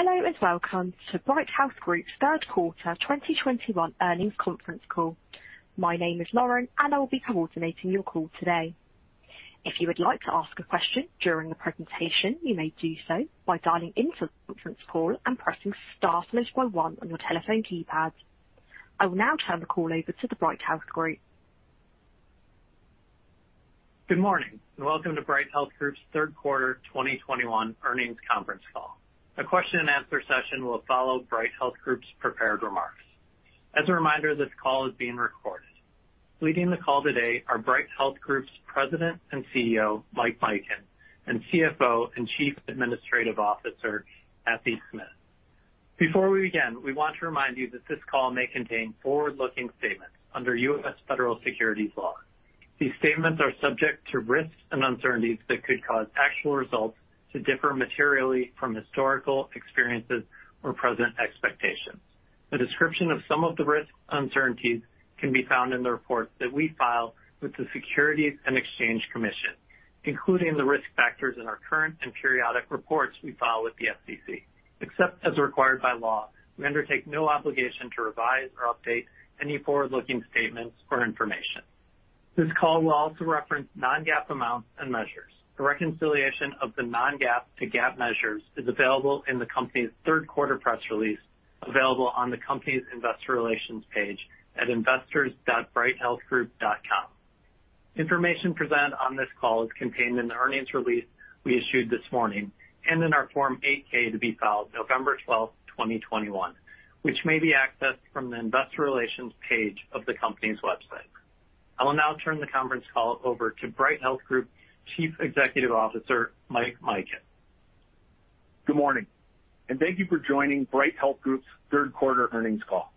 Hello, and welcome to Bright Health Group's Third Quarter 2021 Earnings Conference Call. My name is Lauren, and I will be coordinating your call today. If you would like to ask a question during the presentation, you may do so by dialing into the conference call and pressing star followed by one on your telephone keypad. I will now turn the call over to the Bright Health Group. Good morning, and welcome to Bright Health Group's Third Quarter 2021 Earnings Conference Call. A question-and-answer session will follow Bright Health Group's prepared remarks. As a reminder, this call is being recorded. Leading the call today are Bright Health Group's President and CEO, Mike Mikan, and CFO and Chief Administrative Officer, Cathy Smith. Before we begin, we want to remind you that this call may contain forward-looking statements under U.S. Federal Securities law. These statements are subject to risks and uncertainties that could cause actual results to differ materially from historical experiences or present expectations. A description of some of the risks and uncertainties can be found in the reports that we file with the Securities and Exchange Commission, including the risk factors in our current and periodic reports we file with the SEC. Except as required by law, we undertake no obligation to revise or update any forward-looking statements or information. This call will also reference non-GAAP amounts and measures. A reconciliation of the non-GAAP to GAAP measures is available in the company's third quarter press release, available on the company's investor relations page at investors.brighthealthgroup.com. Information presented on this call is contained in the earnings release we issued this morning and in our Form 8-K to be filed November 12, 2021, which may be accessed from the investor relations page of the company's website. I will now turn the conference call over to Bright Health Group Chief Executive Officer, Mike Mikan. Good morning and thank you for joining Bright Health Group's Third Quarter Earnings Call.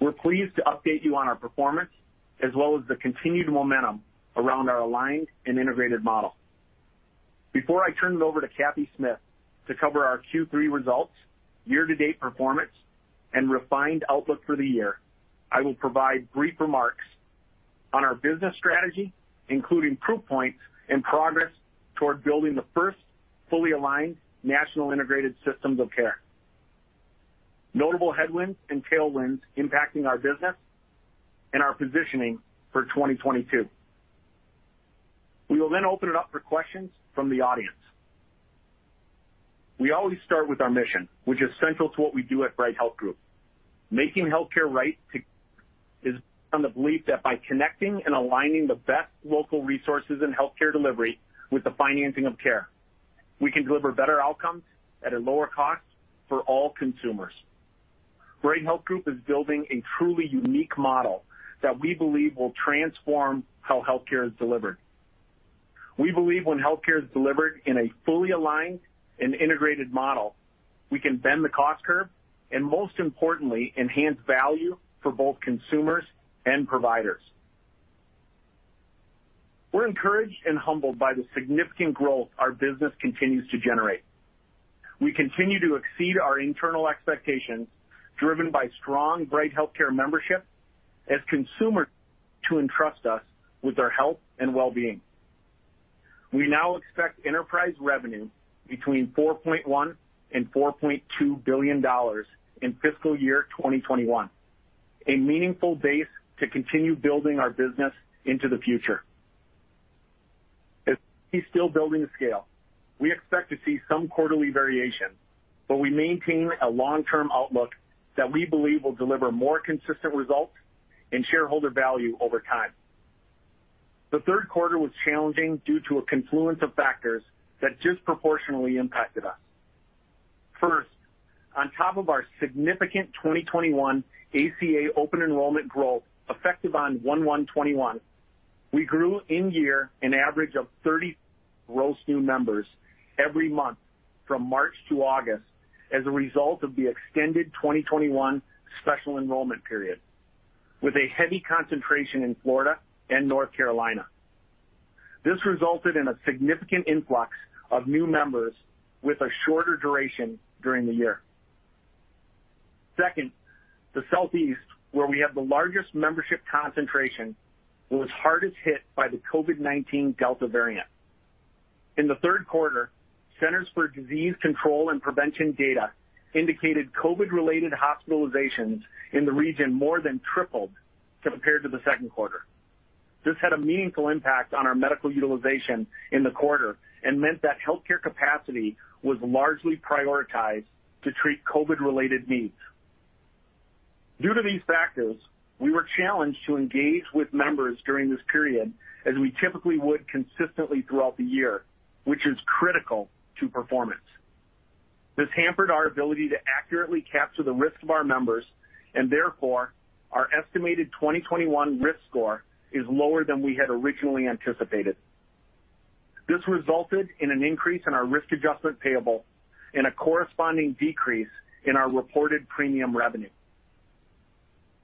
We're pleased to update you on our performance, as well as the continued momentum around our aligned and integrated model. Before I turn it over to Cathy Smith to cover our Q3 results, year-to-date performance, and refined outlook for the year, I will provide brief remarks on our business strategy, including proof points and progress toward building the first fully aligned national integrated systems of care, notable headwinds and tailwinds impacting our business, and our positioning for 2022. We will then open it up for questions from the audience. We always start with our mission, which is central to what we do at Bright Health Group. Making healthcare right, too, is based on the belief that by connecting and aligning the best local resources in healthcare delivery with the financing of care, we can deliver better outcomes at a lower cost for all consumers. Bright Health Group is building a truly unique model that we believe will transform how healthcare is delivered. We believe when healthcare is delivered in a fully aligned and integrated model, we can bend the cost curve, and most importantly, enhance value for both consumers and providers. We're encouraged and humbled by the significant growth our business continues to generate. We continue to exceed our internal expectations, driven by strong Bright HealthCare membership as consumers continue to entrust us with their health and well-being. We now expect enterprise revenue between $4.1 billion and $4.2 billion in fiscal year 2021, a meaningful base to continue building our business into the future. As we're still building the scale, we expect to see some quarterly variation, but we maintain a long-term outlook that we believe will deliver more consistent results and shareholder value over time. The third quarter was challenging due to a confluence of factors that disproportionately impacted us. First, on top of our significant 2021 ACA open enrollment growth effective on 1/1/2021, we grew an average of 30 gross new members every month from March to August as a result of the extended 2021 special enrollment period, with a heavy concentration in Florida and North Carolina. This resulted in a significant influx of new members with a shorter duration during the year. Second, the Southeast, where we have the largest membership concentration, was hardest hit by the COVID-19 Delta variant. In the third quarter, Centers for Disease Control and Prevention data indicated COVID-related hospitalizations in the region more than tripled compared to the second quarter. This had a meaningful impact on our medical utilization in the quarter and meant that healthcare capacity was largely prioritized to treat COVID-related needs. Due to these factors, we were challenged to engage with members during this period, as we typically would consistently throughout the year, which is critical to performance. This hampered our ability to accurately capture the risk of our members, and therefore, our estimated 2021 risk score is lower than we had originally anticipated. This resulted in an increase in our risk adjustment payable and a corresponding decrease in our reported premium revenue.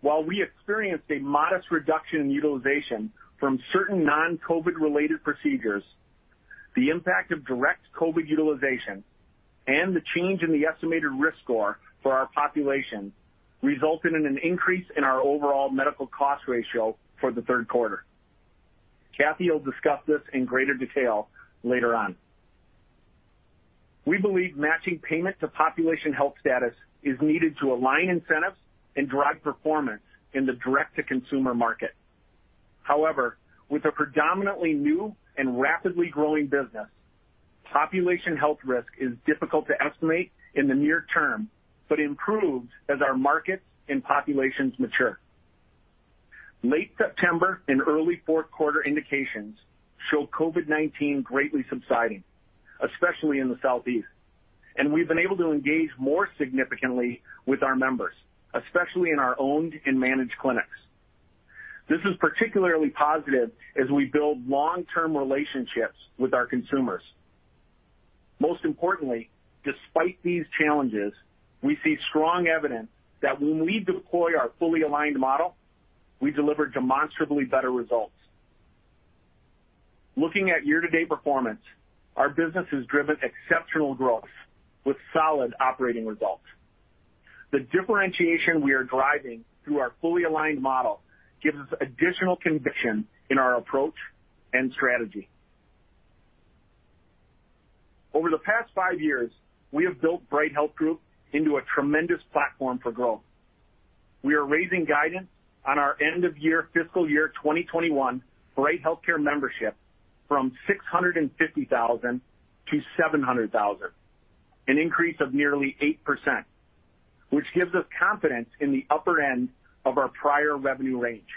While we experienced a modest reduction in utilization from certain non-COVID related procedures, the impact of direct COVID utilization and the change in the estimated risk score for our population resulted in an increase in our overall medical cost ratio for the third quarter. Cathy will discuss this in greater detail later on. We believe matching payment to population health status is needed to align incentives and drive performance in the direct-to-consumer market. However, with a predominantly new and rapidly growing business, population health risk is difficult to estimate in the near term but improves as our markets and populations mature. Late September and early fourth quarter indications show COVID-19 greatly subsiding, especially in the Southeast, and we've been able to engage more significantly with our members, especially in our owned and managed clinics. This is particularly positive as we build long-term relationships with our consumers. Most importantly, despite these challenges, we see strong evidence that when we deploy our fully aligned model, we deliver demonstrably better results. Looking at year-to-date performance, our business has driven exceptional growth with solid operating results. The differentiation we are driving through our fully aligned model gives us additional conviction in our approach and strategy. Over the past five years, we have built Bright Health Group into a tremendous platform for growth. We are raising guidance on our end of year fiscal year 2021 Bright HealthCare membership from 650,000 to 700,000, an increase of nearly 8%, which gives us confidence in the upper end of our prior revenue range.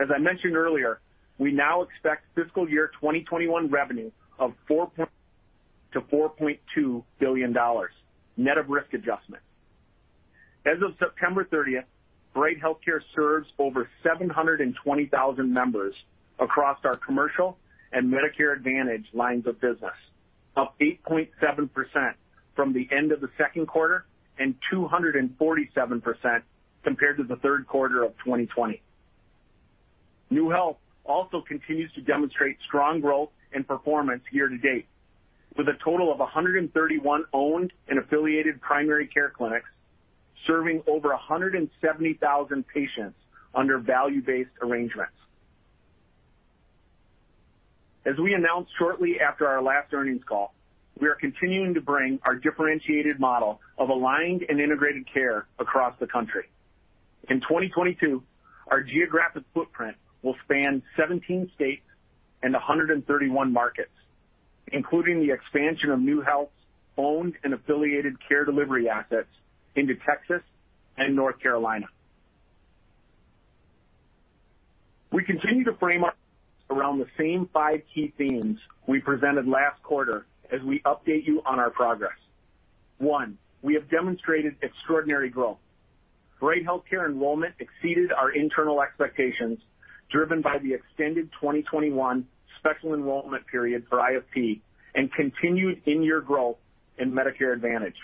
As I mentioned earlier, we now expect fiscal year 2021 revenue of $4.1 billion-$4.2 billion, net of risk adjustment. As of September 30, Bright HealthCare serves over 720,000 members across our commercial and Medicare Advantage lines of business, up 8.7% from the end of the second quarter and 247% compared to the third quarter of 2020. NeueHealth also continues to demonstrate strong growth and performance year to date, with a total of 131 owned and affiliated primary care clinics, serving over 170,000 patients under value-based arrangements. We announced shortly after our last earnings call that we are continuing to bring our differentiated model of aligned and integrated care across the country. In 2022, our geographic footprint will span 17 states and 131 markets, including the expansion of NeueHealth's owned and affiliated care delivery assets into Texas and North Carolina. We continue to frame our discussion around the same five key themes we presented last quarter as we update you on our progress. One, we have demonstrated extraordinary growth. Bright HealthCare enrollment exceeded our internal expectations, driven by the extended 2021 special enrollment period for IFP and continued in-year growth in Medicare Advantage.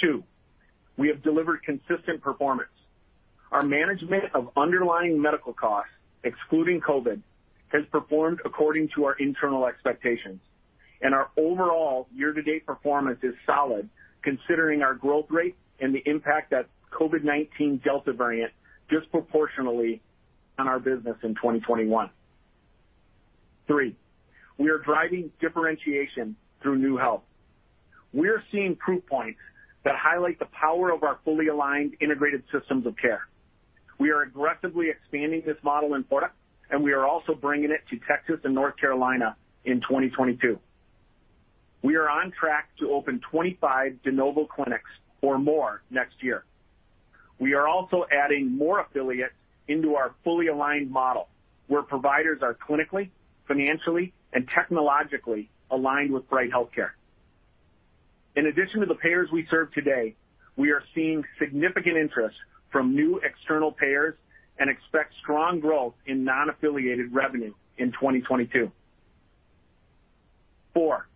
Two, we have delivered consistent performance. Our management of underlying medical costs, excluding COVID, has performed according to our internal expectations, and our overall year-to-date performance is solid, considering our growth rate and the impact that COVID-19 Delta variant had disproportionately on our business in 2021. Three, we are driving differentiation through NeueHealth. We are seeing proof points that highlight the power of our fully aligned integrated systems of care. We are aggressively expanding this model in Florida, and we are also bringing it to Texas and North Carolina in 2022. We are on track to open 25 de novo clinics or more next year. We are also adding more affiliates into our fully aligned model, where providers are clinically, financially, and technologically aligned with Bright HealthCare. In addition to the payers we serve today, we are seeing significant interest from new external payers and expect strong growth in non-affiliated revenue in 2022. Four,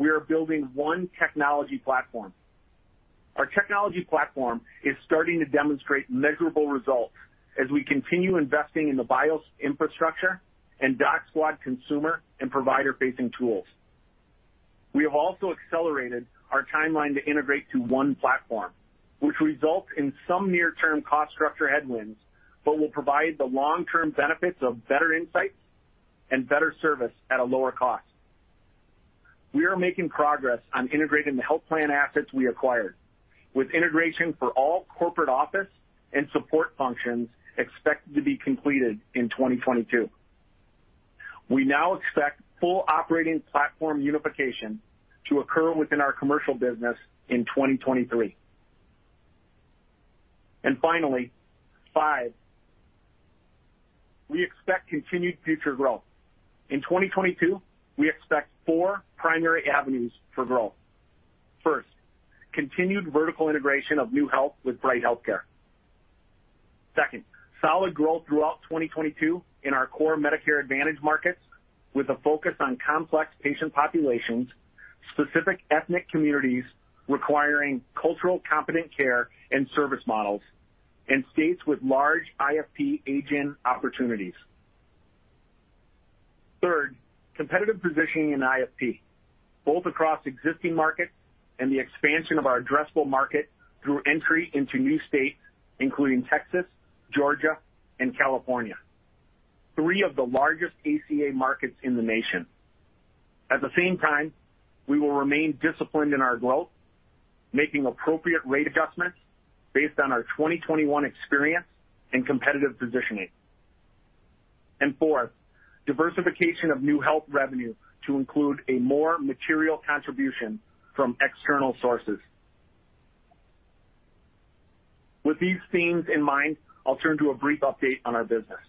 we are building one technology platform. Our technology platform is starting to demonstrate measurable results as we continue investing in the BIOS infrastructure and DocSquad consumer and provider-facing tools. We have also accelerated our timeline to integrate to one platform, which results in some near-term cost structure headwinds, but will provide the long-term benefits of better insights and better service at a lower cost. We are making progress on integrating the health plan assets we acquired, with integration for all corporate office and support functions expected to be completed in 2022. We now expect full operating platform unification to occur within our commercial business in 2023. Finally, five, we expect continued future growth. In 2022, we expect four primary avenues for growth. First, continued vertical integration of NeueHealth with Bright HealthCare. Second, solid growth throughout 2022 in our core Medicare Advantage markets with a focus on complex patient populations, specific ethnic communities requiring culturally competent care and service models, and states with large IFP agent opportunities. Third, competitive positioning in IFP, both across existing markets and the expansion of our addressable market through entry into new states, including Texas, Georgia, and California, three of the largest ACA markets in the nation. At the same time, we will remain disciplined in our growth, making appropriate rate adjustments based on our 2021 experience and competitive positioning. Fourth, diversification of NeueHealth revenue to include a more material contribution from external sources. With these themes in mind, I'll turn to a brief update on our business.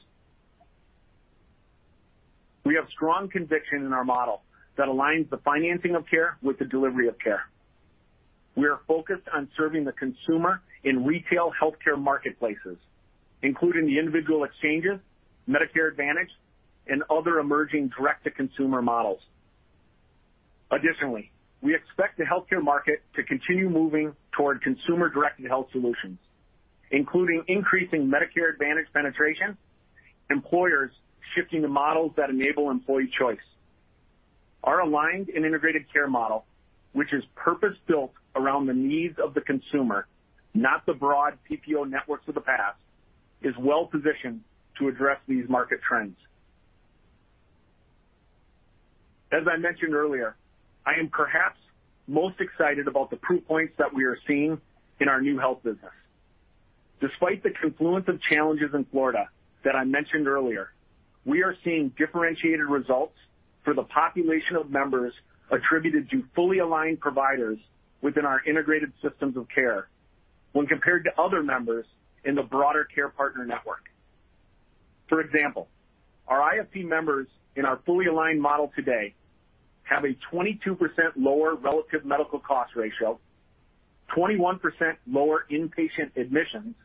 We have strong conviction in our model that aligns the financing of care with the delivery of care. We are focused on serving the consumer in retail healthcare marketplaces, including the individual exchanges, Medicare Advantage, and other emerging direct-to-consumer models. Additionally, we expect the healthcare market to continue moving toward consumer-directed health solutions, including increasing Medicare Advantage penetration, employers shifting to models that enable employee choice. Our aligned and integrated care model, which is purpose-built around the needs of the consumer, not the broad PPO networks of the past, is well-positioned to address these market trends. As I mentioned earlier, I am perhaps most excited about the proof points that we are seeing in our NeueHealth business. Despite the confluence of challenges in Florida that I mentioned earlier, we are seeing differentiated results for the population of members attributed to fully aligned providers within our integrated systems of care when compared to other members in the broader care partner network. For example, our IFP members in our fully aligned model today have a 22% lower relative medical cost ratio, 21% lower inpatient admissions,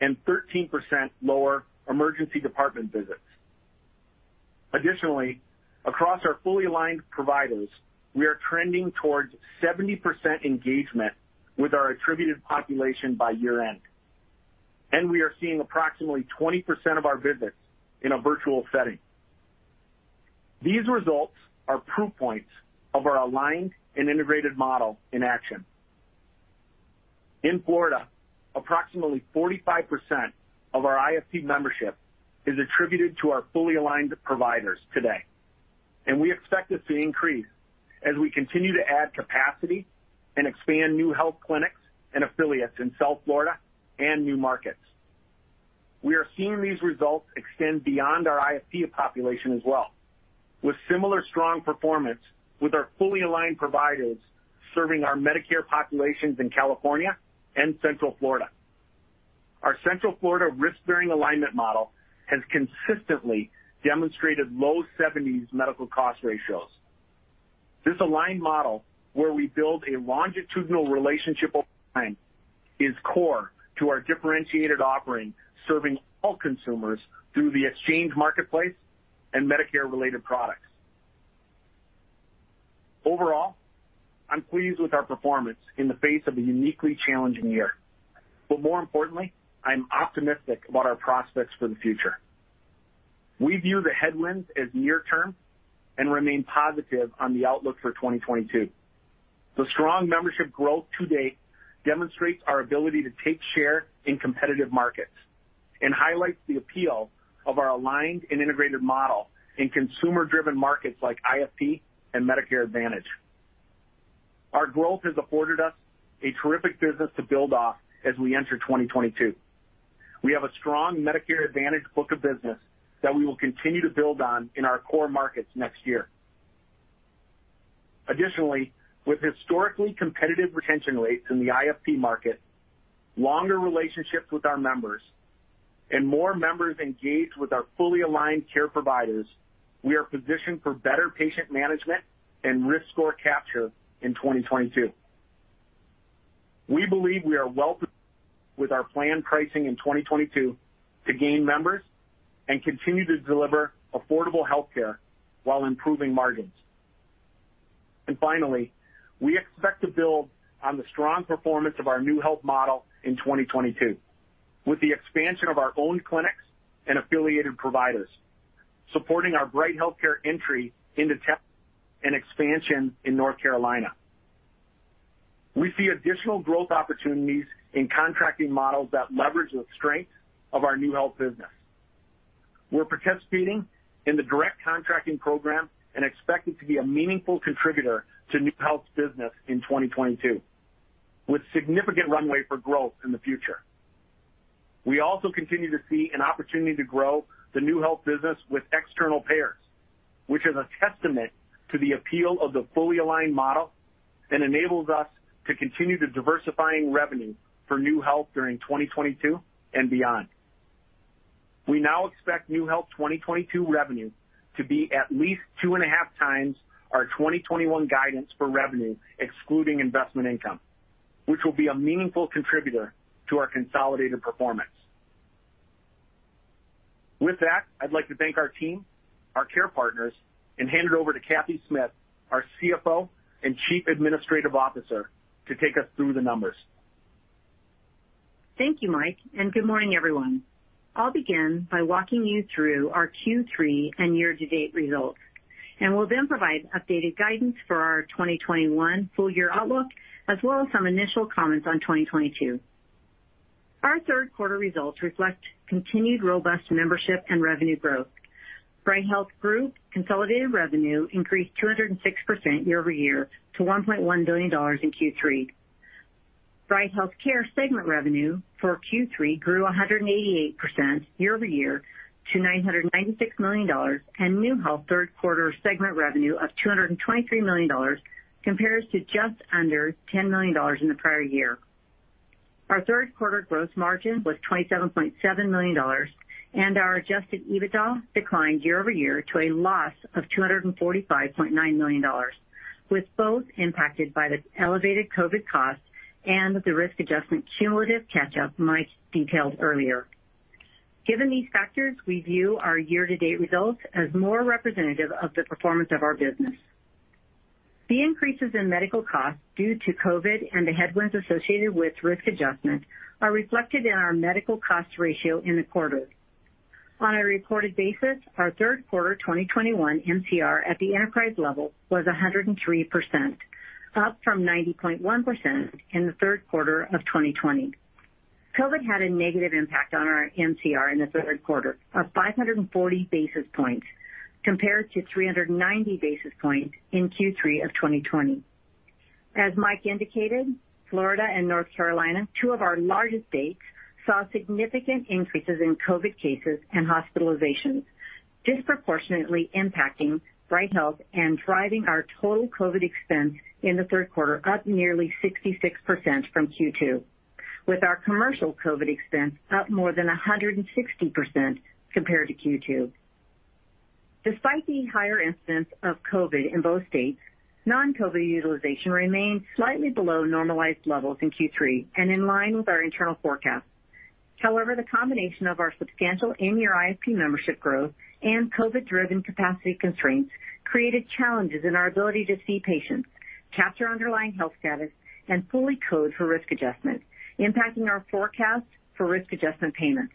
and 13% lower emergency department visits. Additionally, across our fully aligned providers, we are trending towards 70% engagement with our attributed population by year-end, and we are seeing approximately 20% of our visits in a virtual setting. These results are proof points of our aligned and integrated model in action. In Florida, approximately 45% of our IFP membership is attributed to our fully aligned providers today, and we expect this to increase as we continue to add capacity and expand NeueHealth clinics and affiliates in South Florida and new markets. We are seeing these results extend beyond our IFP population as well, with similar strong performance with our fully aligned providers serving our Medicare populations in California and Central Florida. Our Central Florida risk-bearing alignment model has consistently demonstrated low 70s medical cost ratios. This aligned model, where we build a longitudinal relationship over time, is core to our differentiated offering, serving all consumers through the exchange marketplace and Medicare-related products. Overall, I'm pleased with our performance in the face of a uniquely challenging year. More importantly, I'm optimistic about our prospects for the future. We view the headwinds as near-term and remain positive on the outlook for 2022. The strong membership growth to date demonstrates our ability to take share in competitive markets and highlights the appeal of our aligned and integrated model in consumer-driven markets like IFP and Medicare Advantage. Our growth has afforded us a terrific business to build off as we enter 2022. We have a strong Medicare Advantage book of business that we will continue to build on in our core markets next year. Additionally, with historically competitive retention rates in the IFP market, longer relationships with our members, and more members engaged with our fully aligned care providers, we are positioned for better patient management and risk score capture in 2022. We believe we are well with our planned pricing in 2022 to gain members and continue to deliver affordable healthcare while improving margins. Finally, we expect to build on the strong performance of our NeueHealth model in 2022, with the expansion of our own clinics and affiliated providers, supporting our Bright HealthCare entry into and expansion in North Carolina. We see additional growth opportunities in contracting models that leverage the strength of our NeueHealth business. We're participating in the Direct Contracting program and expect it to be a meaningful contributor to NeueHealth's business in 2022, with significant runway for growth in the future. We also continue to see an opportunity to grow the NeueHealth business with external payers, which is a testament to the appeal of the fully aligned model and enables us to continue to diversifying revenue for NeueHealth during 2022 and beyond. We now expect NeueHealth 2022 revenue to be at least 2.5x our 2021 guidance for revenue, excluding investment income, which will be a meaningful contributor to our consolidated performance. With that, I'd like to thank our team, our care partners, and hand it over to Cathy Smith, our CFO and Chief Administrative Officer, to take us through the numbers. Thank you, Mike, and good morning, everyone. I'll begin by walking you through our Q3 and year-to-date results, and will then provide updated guidance for our 2021 full year outlook, as well as some initial comments on 2022. Our third quarter results reflect continued robust membership and revenue growth. Bright Health Group consolidated revenue increased 206% year-over-year to $1.1 billion in Q3. Bright HealthCare segment revenue for Q3 grew 188% year-over-year to $996 million. NeueHealth third quarter segment revenue of $223 million compares to just under $10 million in the prior year. Our third quarter gross margin was $27.7 million. Our adjusted EBITDA declined year-over-year to a loss of $245.9 million, with both impacted by the elevated COVID costs and the risk adjustment cumulative catch-up Mike detailed earlier. Given these factors, we view our year-to-date results as more representative of the performance of our business. The increases in medical costs due to COVID and the headwinds associated with risk adjustment are reflected in our medical cost ratio in the quarter. On a reported basis, our third quarter 2021 MCR at the enterprise level was 103%, up from 90.1% in the third quarter of 2020. COVID had a negative impact on our MCR in the third quarter of 540 basis points, compared to 390 basis points in Q3 of 2020. As Mike indicated, Florida and North Carolina, two of our largest states, saw significant increases in COVID cases and hospitalizations, disproportionately impacting Bright Health and driving our total COVID expense in the third quarter, up nearly 66% from Q2, with our commercial COVID expense up more than 160% compared to Q2. Despite the higher incidence of COVID in both states, non-COVID utilization remained slightly below normalized levels in Q3 and in line with our internal forecasts. However, the combination of our substantial in-year IFP membership growth and COVID driven capacity constraints created challenges in our ability to see patients, capture underlying health status, and fully code for risk adjustment, impacting our forecast for risk adjustment payments.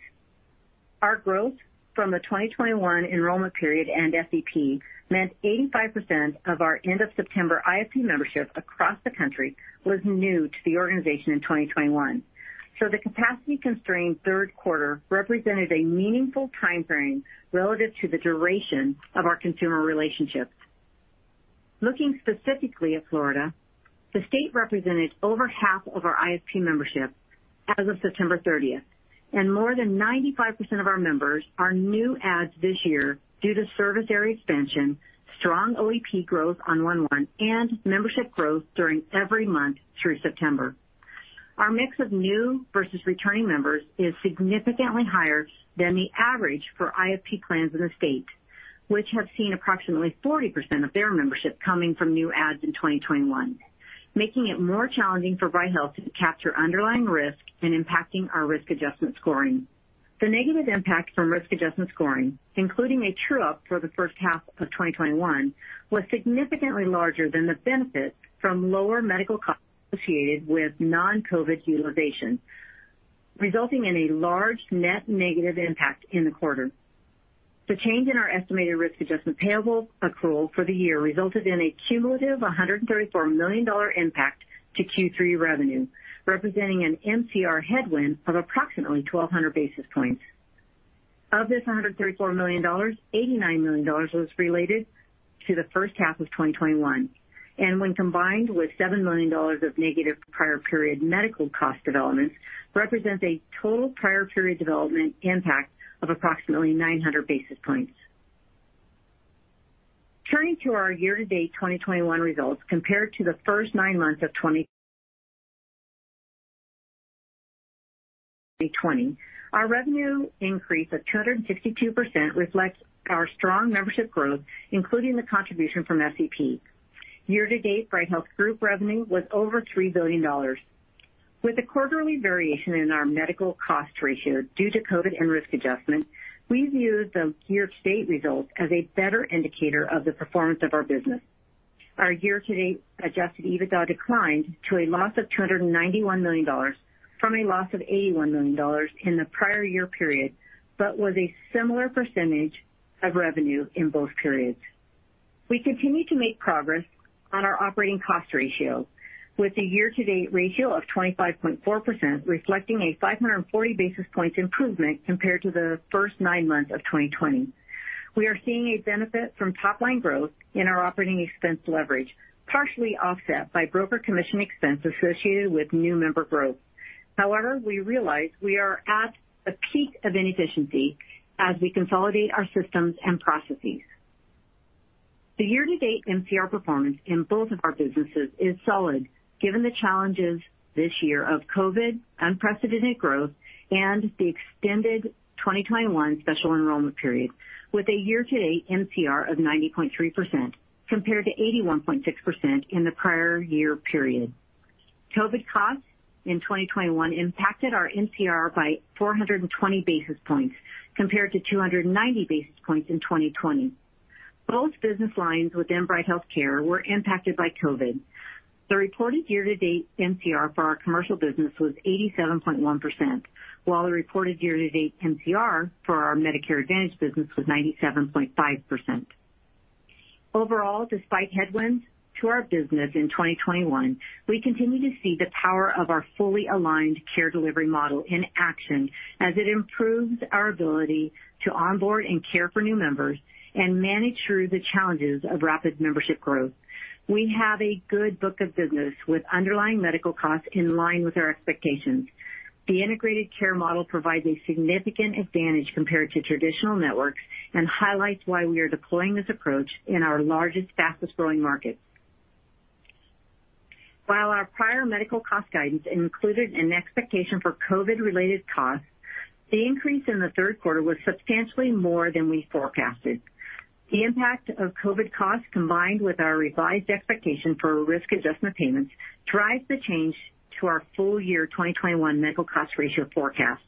Our growth from the 2021 enrollment period and SEP meant 85% of our end of September IFP membership across the country was new to the organization in 2021. The capacity constrained third quarter represented a meaningful time frame relative to the duration of our consumer relationships. Looking specifically at Florida, the state represented over half of our IFP membership as of September 30th, and more than 95% of our members are new adds this year due to service area expansion, strong OEP growth on 11, and membership growth during every month through September. Our mix of new versus returning members is significantly higher than the average for IFP plans in the state, which have seen approximately 40% of their membership coming from new adds in 2021, making it more challenging for Bright Health to capture underlying risk and impacting our risk adjustment scoring. The negative impact from risk adjustment scoring, including a true up for the first half of 2021, was significantly larger than the benefit from lower medical costs associated with non-COVID utilization, resulting in a large net negative impact in the quarter. The change in our estimated risk adjustment payable accrual for the year resulted in a cumulative $134 million impact to Q3 revenue, representing an MCR headwind of approximately 1,200 basis points. Of this $134 million, $89 million was related to the first half of 2021, and when combined with $7 million of negative prior period medical cost developments, represents a total prior period development impact of approximately 900 basis points. Turning to our year-to-date 2021 results compared to the first nine months of 2020, our revenue increase of 262% reflects our strong membership growth, including the contribution from SEP. Year-to-date, Bright Health Group revenue was over $3 billion. With the quarterly variation in our medical cost ratio due to COVID and risk adjustment, we view the year-to-date results as a better indicator of the performance of our business. Our year-to-date adjusted EBITDA declined to a loss of $291 million from a loss of $81 million in the prior year period, but was a similar percentage of revenue in both periods. We continue to make progress on our operating cost ratio with a year-to-date ratio of 25.4%, reflecting a 540 basis points improvement compared to the first nine months of 2020. We are seeing a benefit from top line growth in our operating expense leverage, partially offset by broker commission expense associated with new member growth. However, we realize we are at a peak of inefficiency as we consolidate our systems and processes. The year-to-date MCR performance in both of our businesses is solid given the challenges this year of COVID, unprecedented growth, and the extended 2021 Special Enrollment Period with a year-to-date MCR of 90.3% compared to 81.6% in the prior year period. COVID costs in 2021 impacted our MCR by 420 basis points, compared to 290 basis points in 2020. Both business lines within Bright HealthCare were impacted by COVID. The reported year-to-date MCR for our commercial business was 87.1%, while the reported year-to-date MCR for our Medicare Advantage business was 97.5%. Overall, despite headwinds to our business in 2021, we continue to see the power of our fully aligned care delivery model in action as it improves our ability to onboard and care for new members and manage through the challenges of rapid membership growth. We have a good book of business with underlying medical costs in line with our expectations. The integrated care model provides a significant advantage compared to traditional networks and highlights why we are deploying this approach in our largest, fastest-growing markets. While our prior medical cost guidance included an expectation for COVID-related costs, the increase in the third quarter was substantially more than we forecasted. The impact of COVID costs, combined with our revised expectation for risk adjustment payments, drives the change to our full year 2021 medical cost ratio forecast.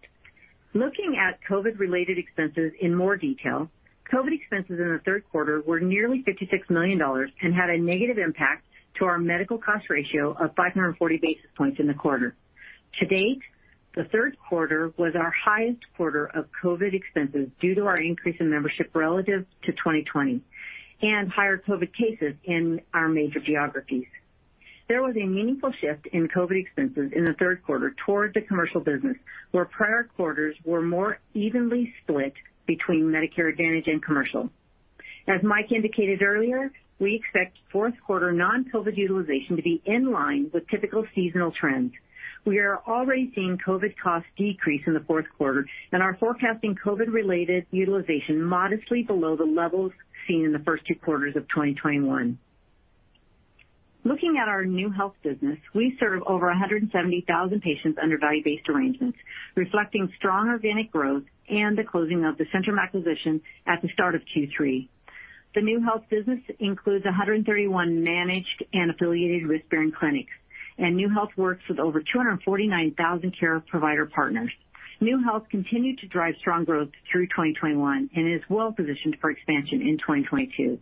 Looking at COVID-related expenses in more detail, COVID expenses in the third quarter were nearly $56 million and had a negative impact to our medical cost ratio of 540 basis points in the quarter. To date, the third quarter was our highest quarter of COVID expenses due to our increase in membership relative to 2020 and higher COVID cases in our major geographies. There was a meaningful shift in COVID expenses in the third quarter towards the commercial business, where prior quarters were more evenly split between Medicare Advantage and commercial. As Mike indicated earlier, we expect fourth quarter non-COVID utilization to be in line with typical seasonal trends. We are already seeing COVID costs decrease in the fourth quarter and are forecasting COVID-related utilization modestly below the levels seen in the first two quarters of 2021. Looking at our NeueHealth business, we serve over 170,000 patients under value-based arrangements, reflecting strong organic growth and the closing of the Centrum acquisition at the start of Q3. The NeueHealth business includes 131 managed and affiliated risk-bearing clinics, and NeueHealth works with over 249,000 care provider partners. NeueHealth continued to drive strong growth through 2021 and is well positioned for expansion in 2022.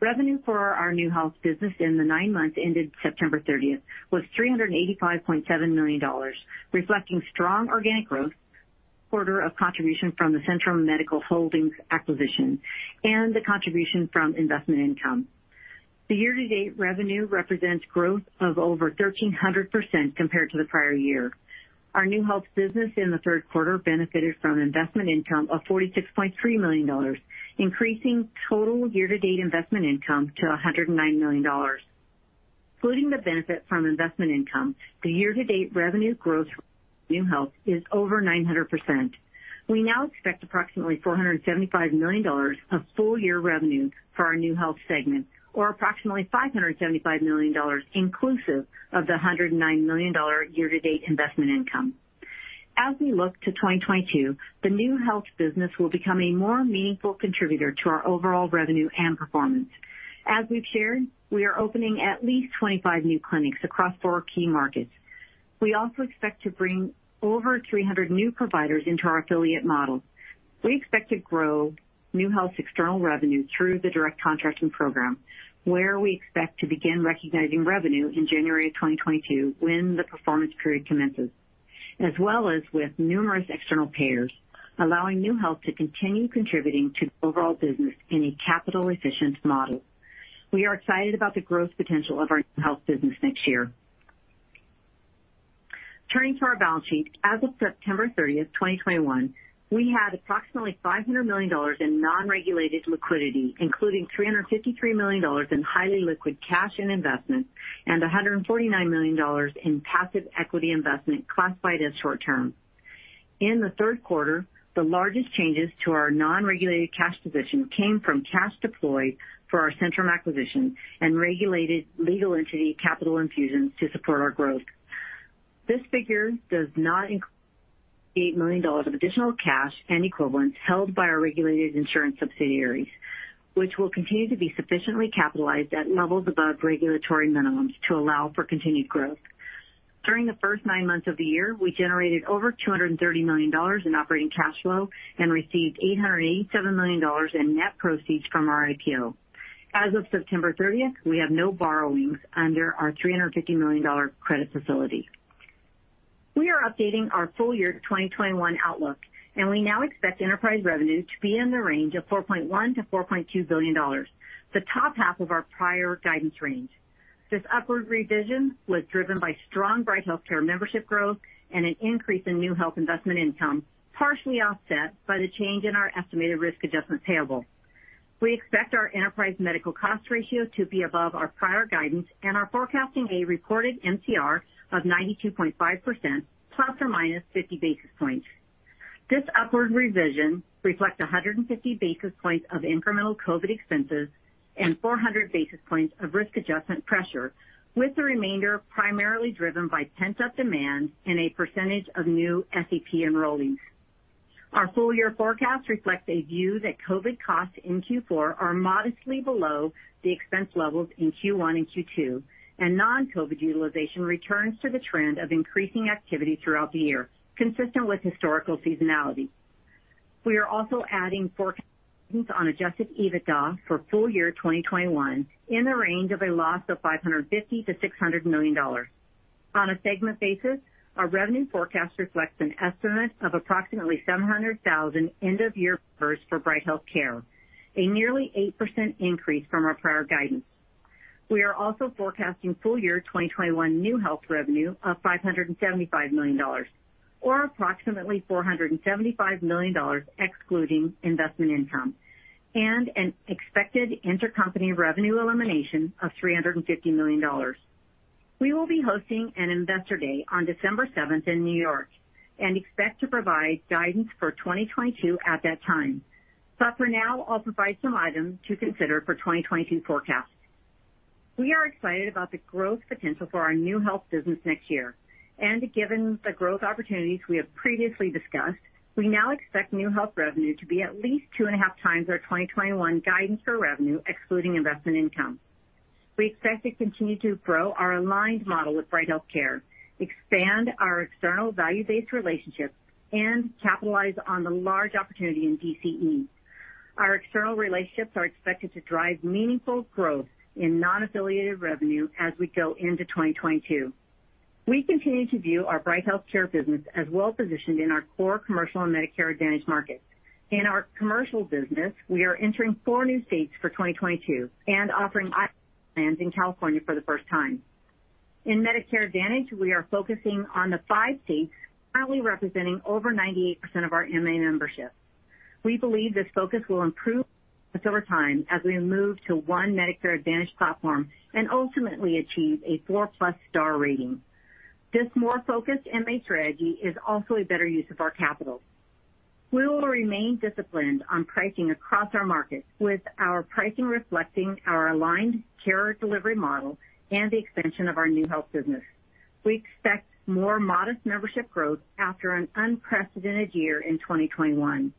Revenue for our NeueHealth business in the nine months ended September 30th was $385.7 million, reflecting strong organic growth, quarter's contribution from the Centrum Medical Holdings acquisition, and the contribution from investment income. The year-to-date revenue represents growth of over 1,300% compared to the prior year. Our NeueHealth business in the third quarter benefited from investment income of $46.3 million, increasing total year-to-date investment income to $109 million. Including the benefit from investment income, the year-to-date revenue growth NeueHealth is over 900%. We now expect approximately $475 million of full-year revenue for our NeueHealth segment, or approximately $575 million inclusive of the $109 million year-to-date investment income. As we look to 2022, the NeueHealth business will become a more meaningful contributor to our overall revenue and performance. As we've shared, we are opening at least 25 new clinics across four key markets. We also expect to bring over 300 new providers into our affiliate model. We expect to grow NeueHealth's external revenue through the Direct Contracting program, where we expect to begin recognizing revenue in January of 2022 when the performance period commences, as well as with numerous external payers, allowing NeueHealth to continue contributing to the overall business in a capital efficient model. We are excited about the growth potential of our NeueHealth business next year. Turning to our balance sheet. As of September 30, 2021, we had approximately $500 million in non-regulated liquidity, including $353 million in highly liquid cash and investments and $149 million in passive equity investment classified as short term. In the third quarter, the largest changes to our non-regulated cash position came from cash deployed for our Centrum acquisition and regulated legal entity capital infusions to support our growth. This figure does not include $8 million of additional cash and equivalents held by our regulated insurance subsidiaries, which will continue to be sufficiently capitalized at levels above regulatory minimums to allow for continued growth. During the first nine months of the year, we generated over $230 million in operating cash flow and received $887 million in net proceeds from our IPO. As of September 30th, we have no borrowings under our $350 million credit facility. We are updating our full-year 2021 outlook, and we now expect enterprise revenue to be in the range of $4.1 billion-$4.2 billion, the top half of our prior guidance range. This upward revision was driven by strong Bright HealthCare membership growth and an increase in NeueHealth investment income, partially offset by the change in our estimated risk adjustment payable. We expect our enterprise medical cost ratio to be above our prior guidance and are forecasting a reported MCR of 92.5% ±50 basis points. This upward revision reflects 150 basis points of incremental COVID expenses and 400 basis points of risk adjustment pressure, with the remainder primarily driven by pent-up demand and a percentage of new SEP enrollees. Our full year forecast reflects a view that COVID costs in Q4 are modestly below the expense levels in Q1 and Q2, and non-COVID utilization returns to the trend of increasing activity throughout the year, consistent with historical seasonality. We are also adding forecast on adjusted EBITDA for full year 2021 in the range of a loss of $550 million-$600 million. On a segment basis, our revenue forecast reflects an estimate of approximately 700,000 end-of-year members for Bright HealthCare, a nearly 8% increase from our prior guidance. We are also forecasting full year 2021 NeueHealth revenue of $575 million, or approximately $475 million excluding investment income, and an expected intercompany revenue elimination of $350 million. We will be hosting an Investor Day on 7th in New York and expect to provide guidance for 2022 at that time. For now, I'll provide some items to consider for 2022 forecasts. We are excited about the growth potential for our NeueHealth business next year. Given the growth opportunities we have previously discussed, we now expect NeueHealth revenue to be at least 2.5x our 2021 guidance for revenue, excluding investment income. We expect to continue to grow our aligned model with Bright HealthCare, expand our external value-based relationships, and capitalize on the large opportunity in DCE. Our external relationships are expected to drive meaningful growth in non-affiliated revenue as we go into 2022. We continue to view our Bright HealthCare business as well positioned in our core Commercial and Medicare Advantage markets. In our commercial business, we are entering four new states for 2022 and offering plans in California for the first time. In Medicare Advantage, we are focusing on the five states, currently representing over 98% of our MA membership. We believe this focus will improve over time as we move to one Medicare Advantage platform and ultimately achieve a 4+ star rating. This more focused MA strategy is also a better use of our capital. We will remain disciplined on pricing across our markets, with our pricing reflecting our aligned care delivery model and the expansion of our new health business. We expect more modest membership growth after an unprecedented year in 2021.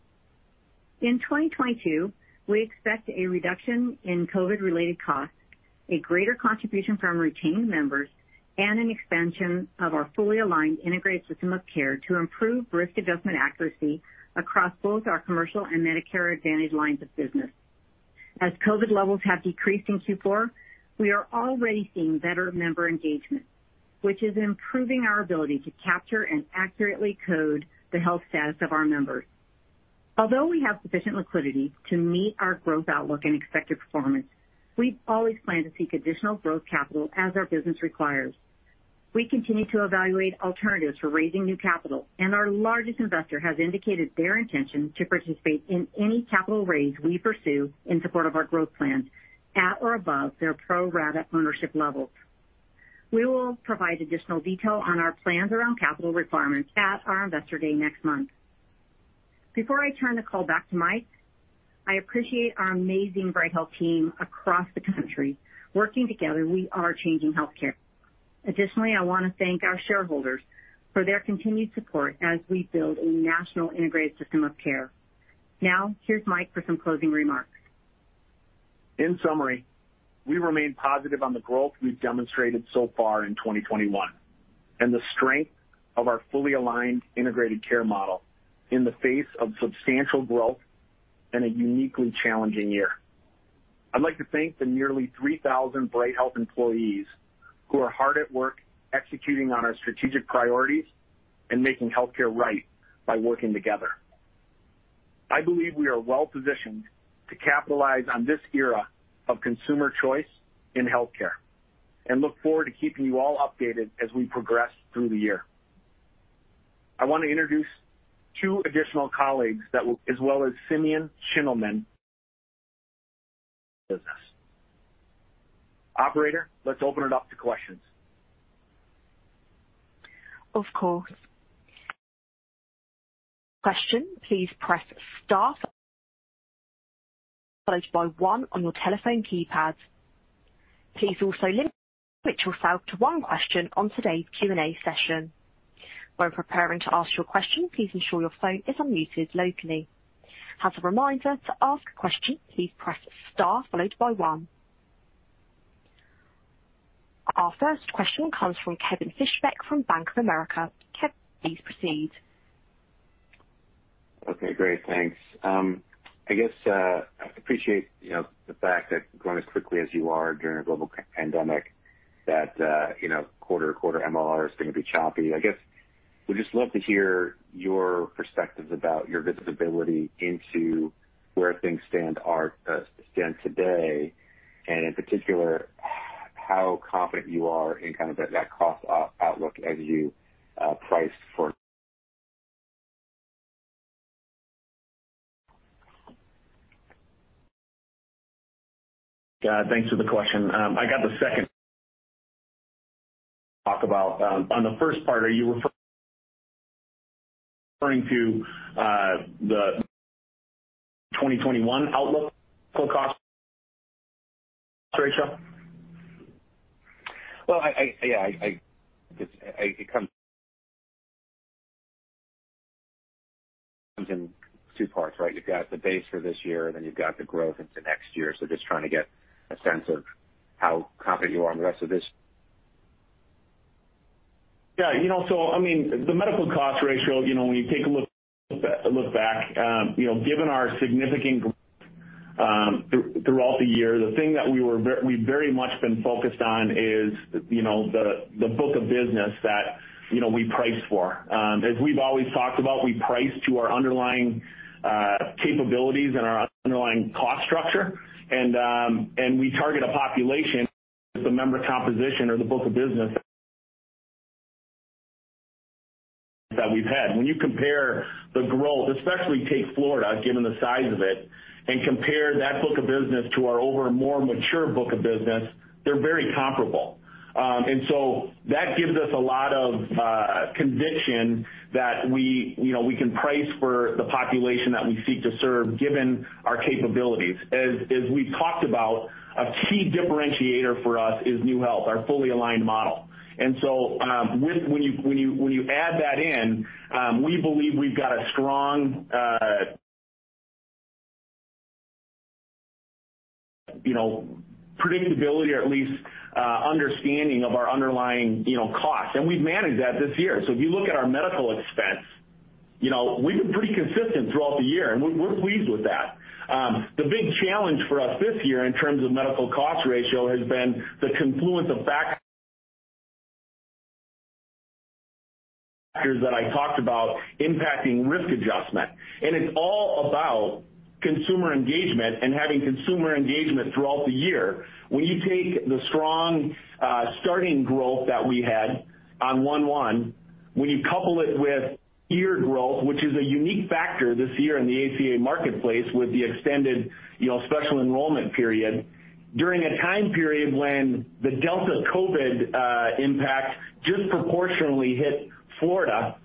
In 2022, we expect a reduction in COVID-related costs, a greater contribution from retained members, and an expansion of our fully aligned integrated system of care to improve risk adjustment accuracy across both our commercial and Medicare Advantage lines of business. As COVID levels have decreased in Q4, we are already seeing better member engagement, which is improving our ability to capture and accurately code the health status of our members. Although we have sufficient liquidity to meet our growth outlook and expected performance, we always plan to seek additional growth capital as our business requires. We continue to evaluate alternatives for raising new capital, and our largest investor has indicated their intention to participate in any capital raise we pursue in support of our growth plans at or above their pro rata ownership levels. We will provide additional detail on our plans around capital requirements at our Investor Day next month. Before I turn the call back to Mike, I appreciate our amazing Bright Health team across the country. Working together, we are changing healthcare. Additionally, I want to thank our shareholders for their continued support as we build a national integrated system of care. Now, here's Mike for some closing remarks. In summary, we remain positive on the growth we've demonstrated so far in 2021 and the strength of our fully aligned integrated care model in the face of substantial growth in a uniquely challenging year. I'd like to thank the nearly 3,000 Bright Health employees who are hard at work executing on our strategic priorities and making healthcare right by working together. I believe we are well-positioned to capitalize on this era of consumer choice in healthcare and look forward to keeping you all updated as we progress through the year. I want to introduce two additional colleagues as well as Simeon Schindelman business. Operator let's open it up to questions. Of course. To ask a question, please press star followed by one on your telephone keypad. Please also limit yourself to one question on today's Q&A session. When preparing to ask your question, please ensure your phone is unmuted locally. As a reminder, to ask a question, please press star followed by one. Our first question comes from Kevin Fischbeck from Bank of America. Kevin, please proceed. Okay, great. Thanks. I guess I appreciate, you know, the fact that growing as quickly as you are during a global pandemic, that you know, quarter to quarter MLR is going to be choppy. I guess we'd just love to hear your perspectives about your visibility into where things stand today, and in particular, how confident you are in kind of that cost outlook as you price for. Yeah. Thanks for the question. On the first part, are you referring to the 2021 outlook for cost? Well, yeah, it comes in two parts, right? You've got the base for this year, and then you've got the growth into next year. Just trying to get a sense of how confident you are in the rest of this. I mean, the medical cost ratio, you know, when you take a look back, you know, given our significant growth throughout the year, the thing that we've very much been focused on is, you know, the book of business that we price for. As we've always talked about, we price to our underlying capabilities and our underlying cost structure. We target a population with the member composition or the book of business that we've had. When you compare the growth, especially take Florida, given the size of it, and compare that book of business to our older and more mature book of business, they're very comparable. That gives us a lot of conviction that we, you know, we can price for the population that we seek to serve, given our capabilities. As we've talked about, a key differentiator for us is NeueHealth, our fully aligned model. When you add that in, we believe we've got a strong, you know, predictability or at least understanding of our underlying, you know, costs. We've managed that this year. If you look at our medical expense, you know, we've been pretty consistent throughout the year, and we're pleased with that. The big challenge for us this year in terms of medical cost ratio has been the confluence of factors that I talked about impacting risk adjustment. It's all about consumer engagement and having consumer engagement throughout the year. When you take the strong starting growth that we had on 1/1, when you couple it with year growth, which is a unique factor this year in the ACA marketplace with the extended, you know, special enrollment period, during a time period when the Delta COVID impact disproportionately hit Florida.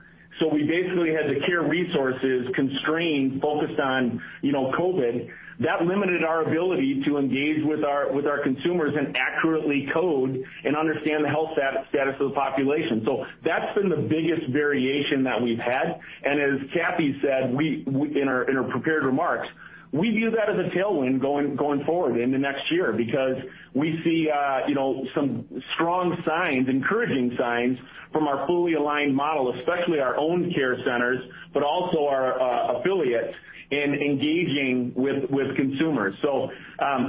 We basically had the care resources constrained, focused on, you know, COVID. That limited our ability to engage with our consumers and accurately code and understand the health status of the population. That's been the biggest variation that we've had. As Cathy said, in her prepared remarks, we view that as a tailwind going forward in the next year because we see some strong signs, encouraging signs from our fully aligned model, especially our own care centers, but also our affiliates in engaging with consumers.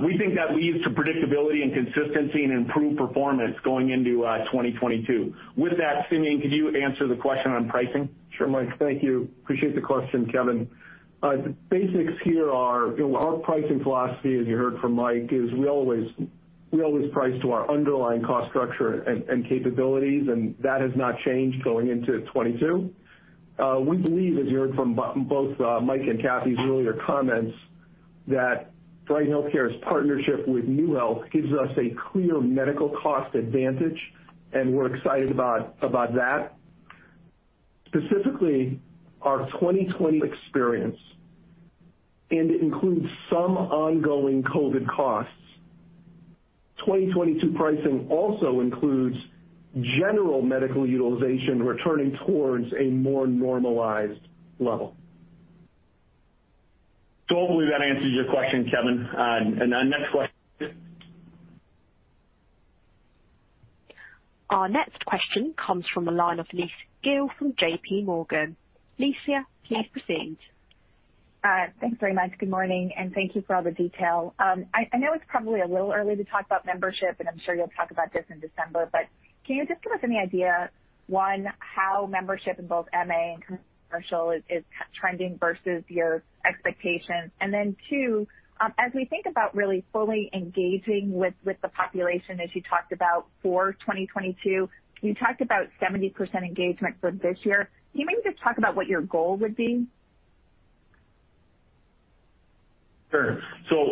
We think that leads to predictability and consistency and improved performance going into 2022. With that, Simeon, could you answer the question on pricing? Sure, Mike. Thank you. Appreciate the question, Kevin. The basics here are, you know, our pricing philosophy, as you heard from Mike, is we always price to our underlying cost structure and capabilities, and that has not changed going into 2022. We believe, as you heard from both Mike and Cathy's earlier comments, that Bright HealthCare's partnership with NeueHealth gives us a clear medical cost advantage, and we're excited about that. Specifically, our 2020 experience, and it includes some ongoing COVID costs. 2022 pricing also includes general medical utilization returning towards a more normalized level. Hopefully that answers your question, Kevin. Next question. Our next question comes from the line of Lisa Gill from JPMorgan. Lisa, please proceed. Thanks very much. Good morning, and thank you for all the detail. I know it's probably a little early to talk about membership, and I'm sure you'll talk about this in December, but can you just give us any idea, one, how membership in both MA and commercial is trending versus your expectations? Then two, as we think about really fully engaging with the population, as you talked about for 2022, you talked about 70% engagement for this year. Can you maybe just talk about what your goal would be? Sure.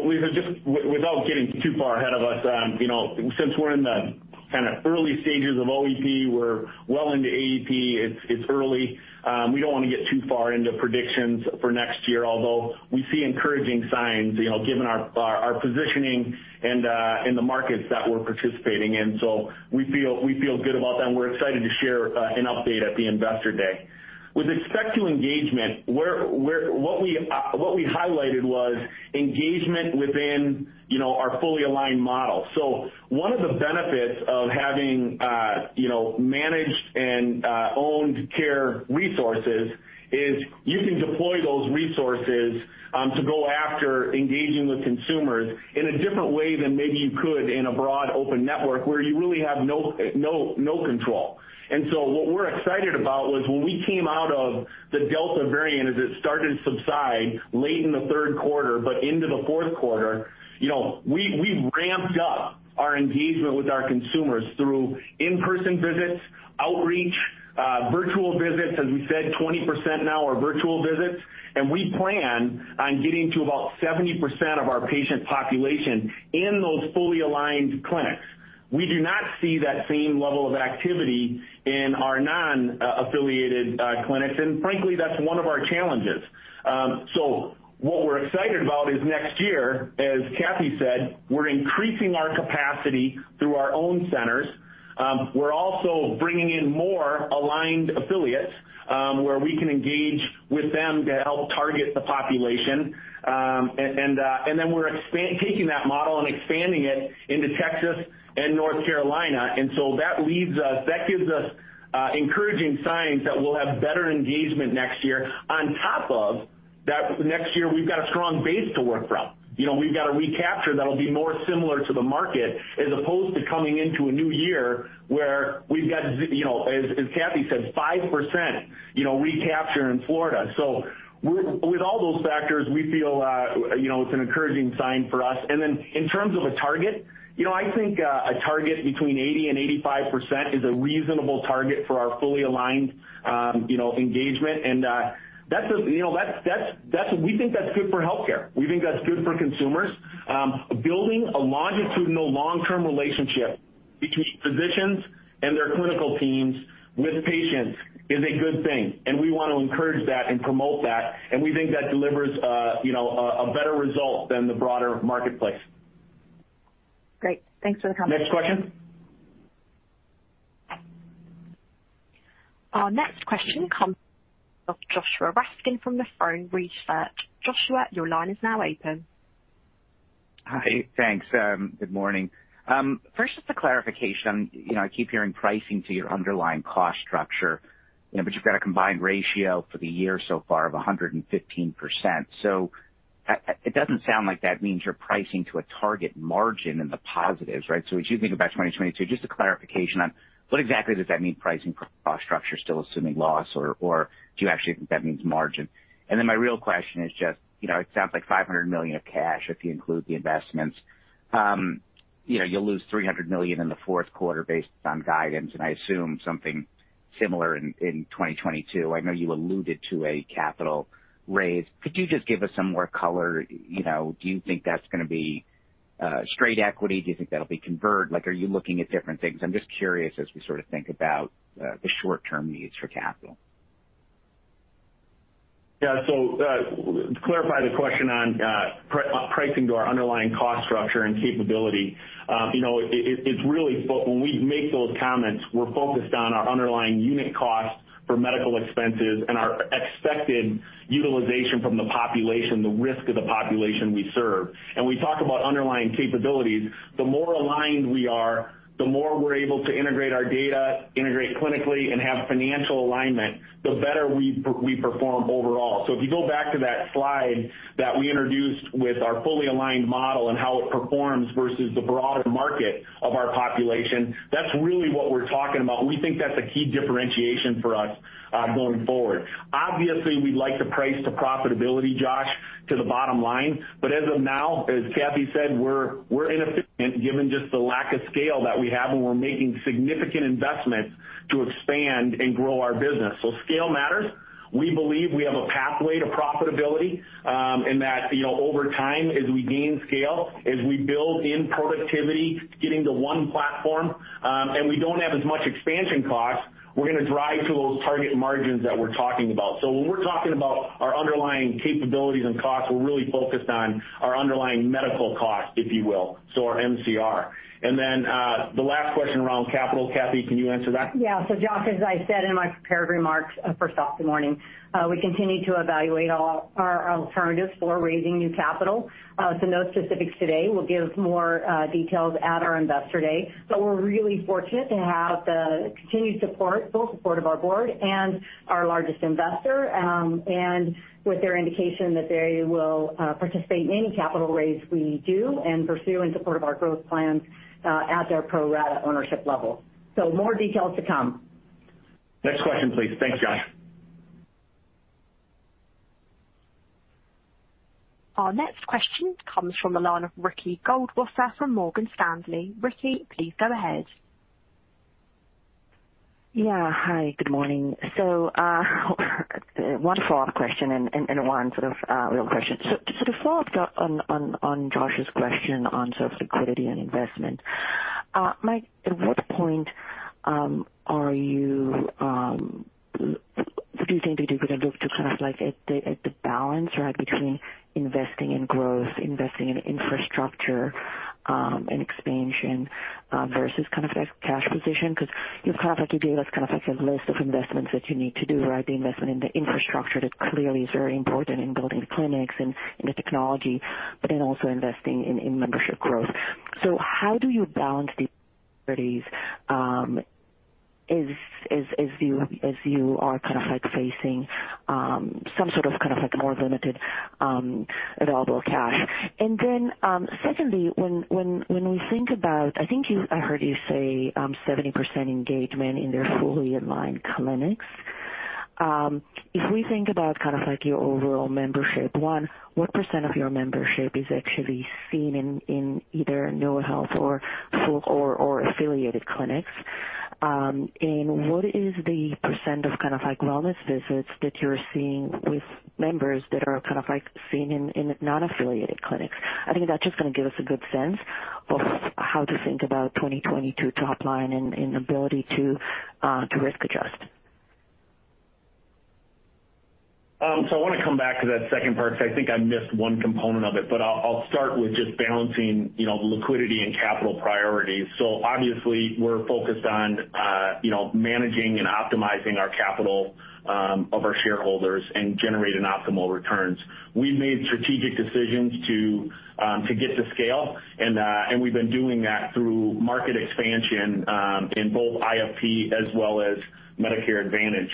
We've been without getting too far ahead of us, you know, since we're in the kinda early stages of OEP, we're well into AEP, it's early. We don't wanna get too far into predictions for next year, although we see encouraging signs, you know, given our positioning and in the markets that we're participating in. We feel good about that, and we're excited to share an update at the Investor Day. With respect to engagement, what we highlighted was engagement within, you know, our fully aligned model. One of the benefits of having you know managed and owned care resources is you can deploy those resources to go after engaging with consumers in a different way than maybe you could in a broad open network where you really have no control. What we're excited about was when we came out of the Delta variant, as it started to subside late in the third quarter but into the fourth quarter, you know, we ramped up our engagement with our consumers through in-person visits, outreach, virtual visits. As we said, 20% now are virtual visits, and we plan on getting to about 70% of our patient population in those fully aligned clinics. We do not see that same level of activity in our non affiliated clinics. Frankly, that's one of our challenges. What we're excited about is next year, as Cathy said, we're increasing our capacity through our own centers. We're also bringing in more aligned affiliates, where we can engage with them to help target the population. Taking that model and expanding it into Texas and North Carolina gives us encouraging signs that we'll have better engagement next year on top of that next year we've got a strong base to work from. You know, we've got a recapture that'll be more similar to the market as opposed to coming into a new year where we've got, you know, as Cathy said, 5% recapture in Florida. With all those factors, we feel, you know, it's an encouraging sign for us. Then in terms of a target, you know, I think a target between 80%-85% is a reasonable target for our fully aligned, you know, engagement. You know, we think that's good for healthcare. We think that's good for consumers. Building a longitudinal long-term relationship between physicians and their clinical teams with patients is a good thing, and we wanna encourage that and promote that. We think that delivers, you know, a better result than the broader marketplace. Great. Thanks for the comment. Next question. Our next question comes from Joshua Raskin from Nephron Research. Joshua, your line is now open. Good morning. First, just a clarification. You know, I keep hearing pricing to your underlying cost structure, you know, but you've got a combined ratio for the year so far of 115%. So it doesn't sound like that means you're pricing to a target margin in the positives, right? As you think about 2022, just a clarification on what exactly does that mean, pricing cost structure, still assuming loss or do you actually think that means margin? Then my real question is just, you know, it sounds like $500 million of cash, if you include the investments. You know, you'll lose $300 million in the fourth quarter based on guidance, and I assume something similar in 2022. I know you alluded to a capital raise. Could you just give us some more color? You know, do you think that's gonna be straight equity? Do you think that'll be convert? Like, are you looking at different things? I'm just curious as we sort of think about the short-term needs for capital. Yeah. To clarify the question on pricing to our underlying cost structure and capability, you know, it's really when we make those comments, we're focused on our underlying unit cost for medical expenses and our expected utilization from the population, the risk of the population we serve. We talk about underlying capabilities. The more aligned we are, the more we're able to integrate our data, integrate clinically and have financial alignment, the better we perform overall. If you go back to that slide that we introduced with our fully aligned model and how it performs versus the broader market of our population, that's really what we're talking about. We think that's a key differentiation for us, going forward. Obviously, we'd like to price to profitability, Josh, to the bottom line, but as of now, as Cathy said, we're inefficient, given just the lack of scale that we have, and we're making significant investments to expand and grow our business. Scale matters. We believe we have a pathway to profitability, and that, you know, over time, as we gain scale, as we build in productivity, getting to one platform, and we don't have as much expansion costs, we're gonna drive to those target margins that we're talking about. When we're talking about our underlying capabilities and costs, we're really focused on our underlying medical costs, if you will, so our MCR. Then, the last question around capital, Cathy, can you answer that? Yeah. Josh, as I said in my prepared remarks, first off this morning, we continue to evaluate all our alternatives for raising new capital. No specifics today. We'll give more details at our Investor Day. We're really fortunate to have the continued support, full support of our board and our largest investor, and with their indication that they will participate in any capital raise we do and pursue in support of our growth plans, at their pro rata ownership level. More details to come. Next question, please. Thanks, Josh. Our next question comes from the line of Ricky Goldwasser from Morgan Stanley. Ricky, please go ahead. Yeah. Hi, good morning. One follow-up question and one sort of real question. To follow up on Joshua's question on sort of liquidity and investment, Mike, at what point do you think you're gonna look to kind of like at the balance, right, between investing in growth, investing in infrastructure, and expansion, versus kind of like cash position? 'Cause you kind of like gave us kind of like a list of investments that you need to do, right? The investment in the infrastructure that clearly is very important in building the clinics and in the technology, but then also investing in membership growth. How do you balance these as you are kind of like facing some sort of kind of like more limited available cash? Then, secondly, when we think about, I heard you say 70% engagement in their fully aligned clinics. If we think about kind of like your overall membership, one, what percent of your membership is actually seen in either NeueHealth or affiliated clinics? What is the percent of kind of like wellness visits that you are seeing with members that are kind of like seen in non-affiliated clinics? I think that is just going to give us a good sense of how to think about 2022 top line and ability to risk adjust. I wanna come back to that second part 'cause I think I missed one component of it, but I'll start with just balancing, you know, liquidity and capital priorities. Obviously we're focused on, you know, managing and optimizing our capital for our shareholders and generating optimal returns. We've made strategic decisions to get to scale, and we've been doing that through market expansion in both IFP as well as Medicare Advantage.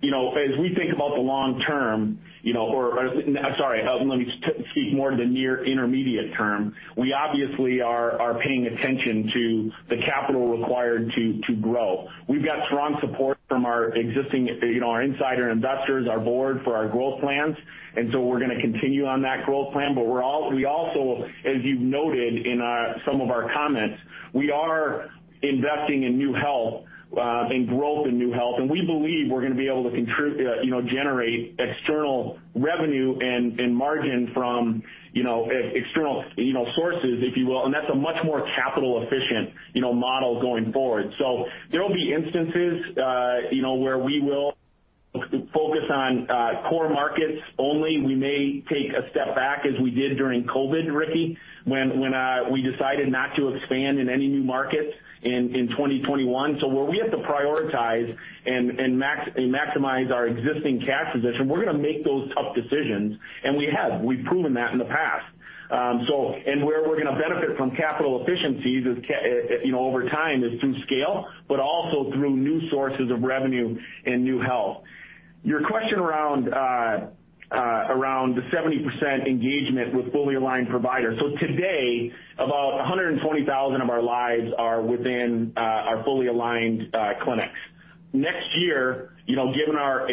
You know, as we think about the long term, you know, I'm sorry, let me speak more to the near intermediate term. We obviously are paying attention to the capital required to grow. We've got strong support from our existing, you know, our insider investors, our board for our growth plans, and so we're gonna continue on that growth plan. We also, as you've noted in some of our comments, we are investing in NeueHealth, in growth in NeueHealth. We believe we're gonna be able to generate external revenue and margin from external sources, if you will, and that's a much more capital efficient model going forward. There will be instances where we will focus on core markets only. We may take a step back as we did during COVID, Ricky, when we decided not to expand in any new markets in 2021. Where we have to prioritize and maximize our existing cash position, we're gonna make those tough decisions, and we have. We've proven that in the past. Where we're gonna benefit from capital efficiencies is you know, over time is through scale, but also through new sources of revenue and NeueHealth. Your question around the 70% engagement with fully aligned providers. Today, about 120,000 of our lives are within our fully aligned clinics. Next year, you know, given our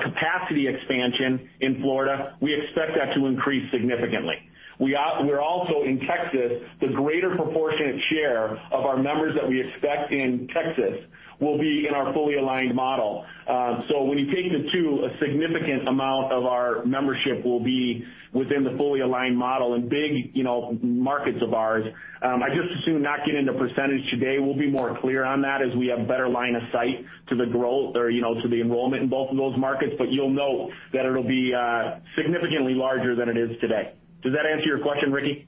capacity expansion in Florida, we expect that to increase significantly. We're also in Texas, the greater proportionate share of our members that we expect in Texas will be in our fully aligned model. When you take the two, a significant amount of our membership will be within the fully aligned model and big, you know, markets of ours. I just assume not getting into percentage today. We'll be more clear on that as we have better line of sight to the growth or, you know, to the enrollment in both of those markets, but you'll know that it'll be significantly larger than it is today. Does that answer your question, Ricky?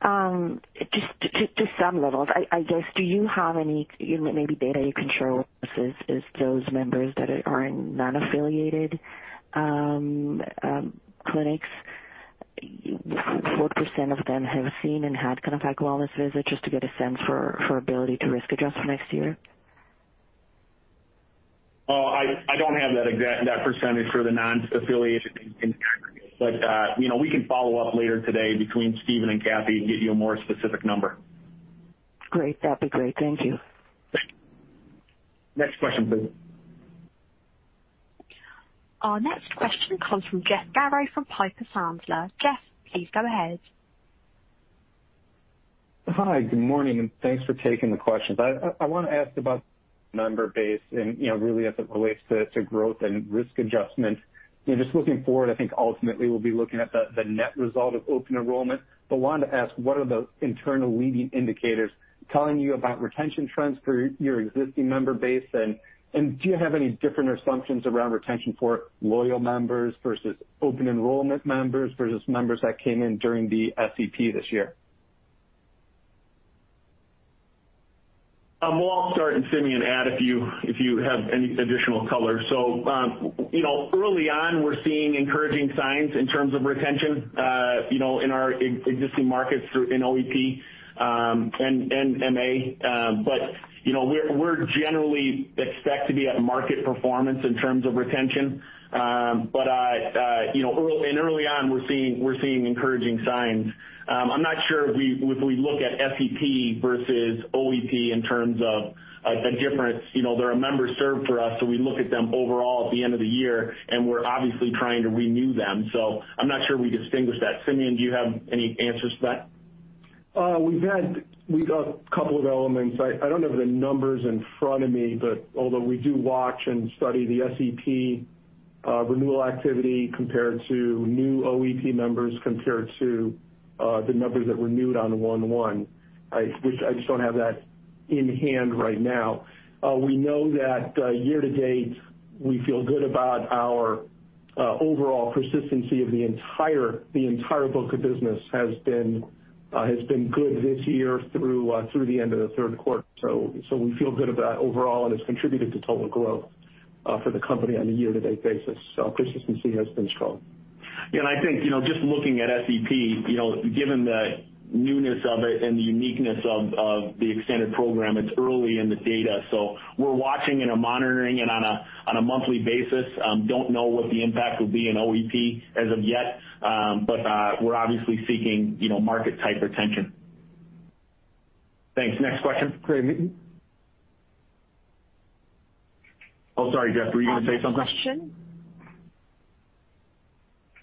Just on levels, I guess, do you have any, you know, maybe data you can share with us is those members that are in non-affiliated clinics, what percent of them have seen and had kind of like a wellness visit just to get a sense for ability to risk adjust for next year? I don't have that exact percentage for the non-affiliated, but you know, we can follow up later today between Stephen and Cathy and get you a more specific number. Great. That'd be great. Thank you. Next question, please. Our next question comes from Jeff Garro from Piper Sandler. Jeff, please go ahead. Hi, good morning, thanks for taking the questions. I wanna ask about member base and, you know, really as it relates to growth and risk adjustment. You know, just looking forward, I think, ultimately, we'll be looking at the net result of open enrollment. Wanted to ask, what are the internal leading indicators telling you about retention trends for your existing member base? And do you have any different assumptions around retention for loyal members versus open enrollment members versus members that came in during the SEP this year? Well, I'll start, and Simeon, add if you have any additional color. You know, early on, we're seeing encouraging signs in terms of retention, you know, in our existing markets through OEP and MA. You know, we're generally expected to be at market performance in terms of retention. You know, early on, we're seeing encouraging signs. I'm not sure if we look at SEP versus OEP in terms of a difference. You know, they're members for us, so we look at them overall at the end of the year, and we're obviously trying to renew them. I'm not sure we distinguish that. Simeon, do you have any answers to that? We got a couple of elements. I don't have the numbers in front of me, but although we do watch and study the SEP renewal activity compared to new OEP members compared to the numbers that renewed on 1/1, I just don't have that in hand right now. We know that year-to-date, we feel good about our overall persistency. The entire book of business has been good this year through the end of the third quarter. We feel good about overall, and it's contributed to total growth for the company on a year-to-date basis. Persistency has been strong. I think, you know, just looking at SEP, you know, given the newness of it and the uniqueness of the extended program, it's early in the data. We're watching and are monitoring it on a monthly basis. Don't know what the impact will be in OEP as of yet, but we're obviously seeking, you know, market-type retention. Thanks. Next question. Great. Oh, sorry, Jeff. Were you gonna say something? Final question.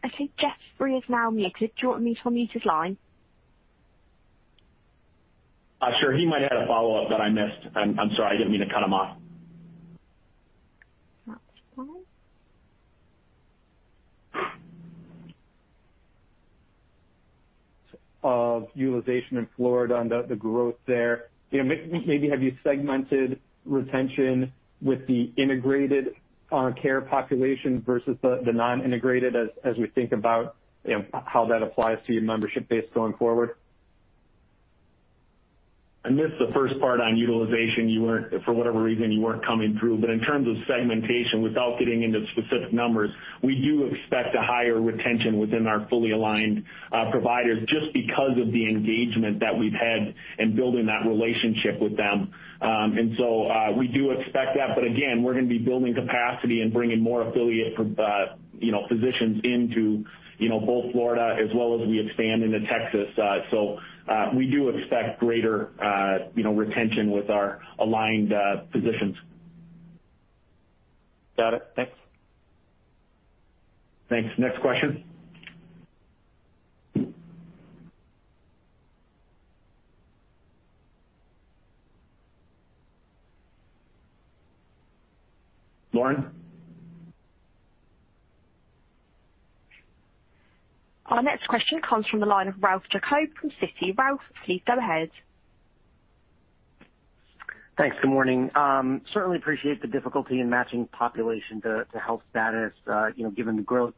I think Jeff is now muted. Do you want me to unmute his line? Sure. He might have had a follow-up that I missed. I'm sorry. I didn't mean to cut him off. On utilization in Florida and the growth there. You know, maybe have you segmented retention with the integrated care population versus the non-integrated as we think about, you know, how that applies to your membership base going forward? I missed the first part on utilization. You weren't, for whatever reason, coming through. In terms of segmentation, without getting into specific numbers, we do expect a higher retention within our fully aligned providers just because of the engagement that we've had in building that relationship with them. We do expect that. Again, we're gonna be building capacity and bringing more affiliate you know, physicians into you know, both Florida as well as we expand into Texas. We do expect greater you know, retention with our aligned physicians. Got it. Thanks. Thanks. Next question. Lauren? Our next question comes from the line of Ralph Giacobbe from Citi. Ralph, please go ahead. Thanks. Good morning. Certainly appreciate the difficulty in matching population to health status, you know, given the growth.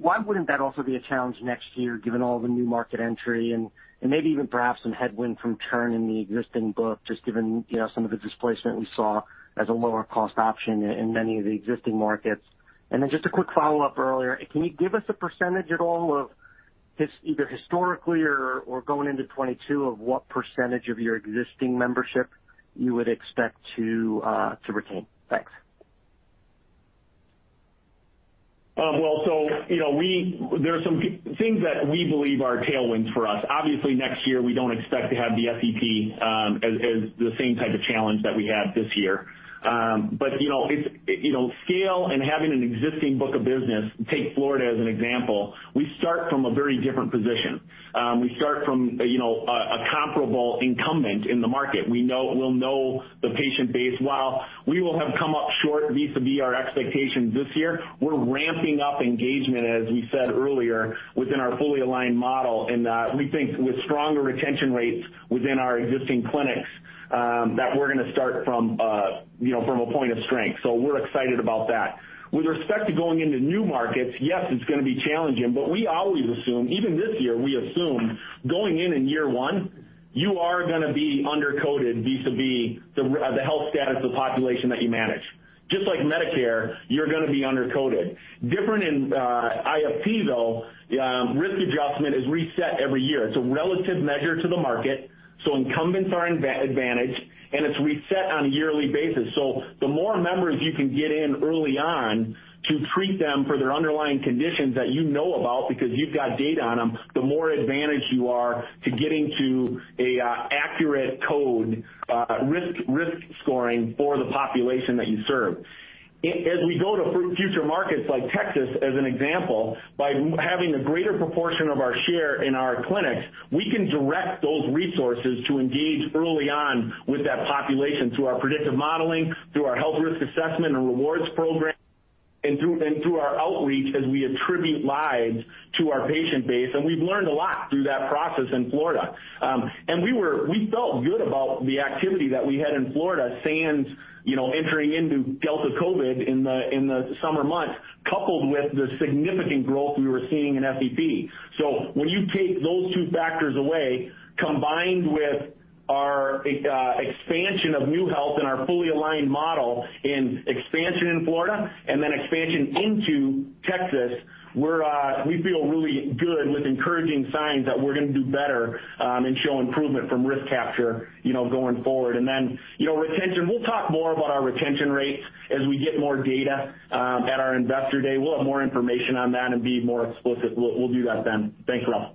Why wouldn't that also be a challenge next year, given all the new market entry and maybe even perhaps some headwind from churn in the existing book, just given, you know, some of the displacement we saw as a lower cost option in many of the existing markets? Just a quick follow-up earlier, can you give us a percentage at all of either historically or going into 2022 of what percentage of your existing membership you would expect to retain? Thanks. There are some things that we believe are tailwinds for us. Obviously, next year, we don't expect to have the SEP as the same type of challenge that we had this year. Scale and having an existing book of business, take Florida as an example, we start from a very different position. We start from a comparable incumbent in the market. We'll know the patient base. While we will have come up short vis-a-vis our expectations this year, we're ramping up engagement, as we said earlier, within our fully aligned model, and we think with stronger retention rates within our existing clinics that we're gonna start from a point of strength. We're excited about that. With respect to going into new markets, yes, it's gonna be challenging, but we always assume, even this year, we assume going in in year one, you are gonna be under-coded vis-à-vis the health status of the population that you manage. Just like Medicare, you're gonna be under-coded. Different in IFP, though, risk adjustment is reset every year. It's a relative measure to the market, so incumbents are advantaged, and it's reset on a yearly basis. The more members you can get in early on to treat them for their underlying conditions that you know about because you've got data on them, the more advantaged you are to getting to an accurate code, risk scoring for the population that you serve. As we go to future markets like Texas, as an example, by having a greater proportion of our share in our clinics, we can direct those resources to engage early on with that population through our predictive modeling, through our health risk assessment and rewards program, and through our outreach as we attribute lives to our patient base. We've learned a lot through that process in Florida. We felt good about the activity that we had in Florida sans, you know, entering into Delta COVID in the summer months, coupled with the significant growth we were seeing in SEP. When you take those two factors away, combined with our expansion of NeueHealth and our fully aligned model expansion in Florida and then expansion into Texas, we feel really good with encouraging signs that we're gonna do better and show improvement from risk capture, you know, going forward. Retention, we'll talk more about our retention rates as we get more data at our Investor Day. We'll have more information on that and be more explicit. We'll do that then. Thanks, Ralph.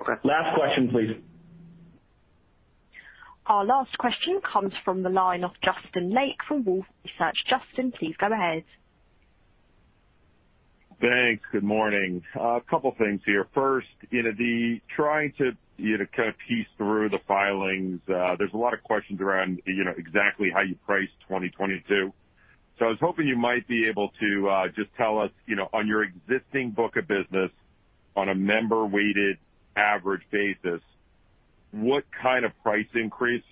Okay. Last question, please. Our last question comes from the line of Justin Lake from Wolfe Research. Justin, please go ahead. Thanks. Good morning. A couple things here. First, you know, trying to, you know, kind of piece through the filings, there's a lot of questions around, you know, exactly how you price 2022. I was hoping you might be able to just tell us, you know, on your existing book of business, on a member weighted average basis, what kind of price increase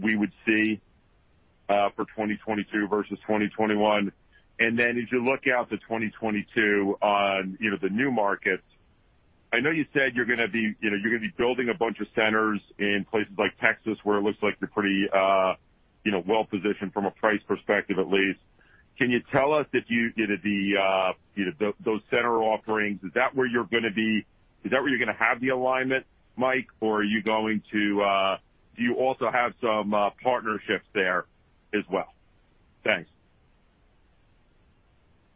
we would see for 2022 versus 2021. As you look out to 2022 on, you know, the new markets, I know you said you're gonna be, you know, you're gonna be building a bunch of centers in places like Texas, where it looks like you're pretty, you know, well positioned from a price perspective at least. Can you tell us if you're gonna be, you know those center offerings, is that where you're gonna be? Is that where you're gonna have the alignment, Mike? Or are you going to? Do you also have some partnerships there as well? Thanks.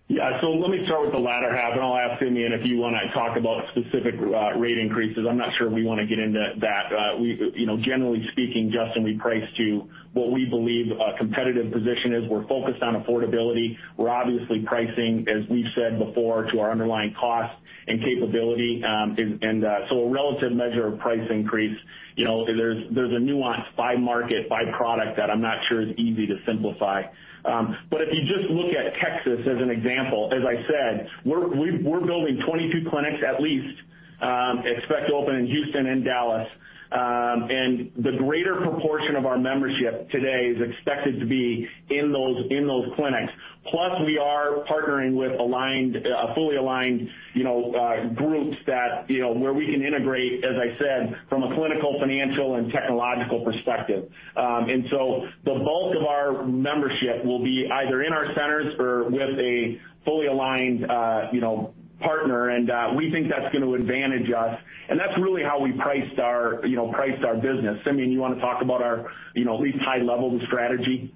Yeah. Let me start with the latter half, and I'll ask Simeon if you wanna talk about specific rate increases. I'm not sure we wanna get into that. We, you know, generally speaking, Justin, we price to what we believe a competitive position is. We're focused on affordability. We're obviously pricing, as we've said before, to our underlying cost and capability. A relative measure of price increase, you know, there's a nuance by market, by product that I'm not sure is easy to simplify. If you just look at Texas as an example, as I said, we're building 22 clinics at least, expect to open in Houston and Dallas. The greater proportion of our membership today is expected to be in those clinics. Plus, we are partnering with aligned, fully aligned, you know, where we can integrate, as I said, from a clinical, financial, and technological perspective. The bulk of our membership will be either in our centers or with a fully aligned, you know, partner, and we think that's gonna advantage us, and that's really how we priced our, you know, business. Simeon, you wanna talk about our, you know, at least high level the strategy?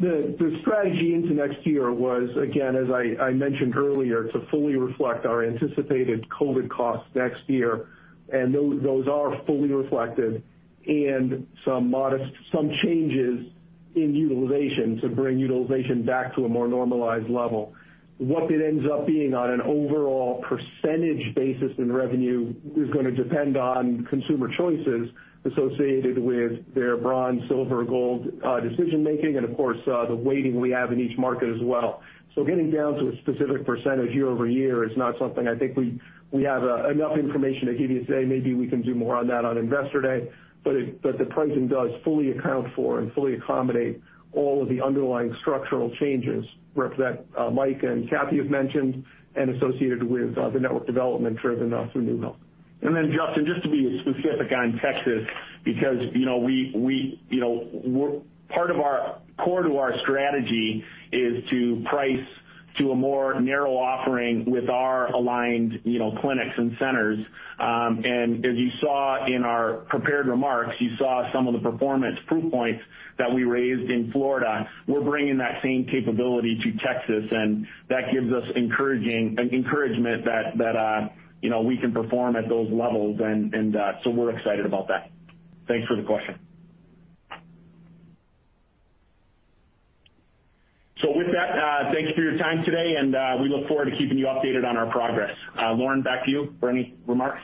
The strategy into next year was, again, as I mentioned earlier, to fully reflect our anticipated COVID costs next year, and those are fully reflected and some modest changes in utilization to bring utilization back to a more normalized level. What it ends up being on an overall percentage basis in revenue is gonna depend on consumer choices associated with their bronze, silver, gold decision-making and, of course, the weighting we have in each market as well. Getting down to a specific percentage year-over-year is not something I think we have enough information to give you today. Maybe we can do more on that on Investor Day. The pricing does fully account for and fully accommodate all of the underlying structural changes that Mike and Cathy have mentioned and associated with the network development driven through NeueHealth. Then, Justin, just to be specific on Texas because, you know, we, you know, we're part of our core to our strategy is to price to a more narrow offering with our aligned, you know, clinics and centers. As you saw in our prepared remarks, you saw some of the performance proof points that we raised in Florida. We're bringing that same capability to Texas, and that gives us encouragement that, you know, we can perform at those levels and, we're excited about that. Thanks for the question. With that, thank you for your time today, and, we look forward to keeping you updated on our progress. Lauren, back to you for any remarks.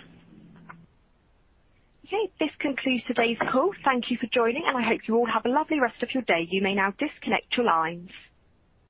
Okay, this concludes today's call. Thank you for joining, and I hope you all have a lovely rest of your day. You may now disconnect your lines.